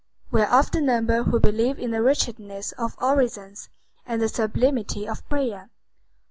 We are of the number who believe in the wretchedness of orisons, and the sublimity of prayer.